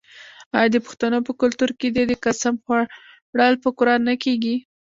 آیا د پښتنو په کلتور کې د قسم خوړل په قران نه کیږي؟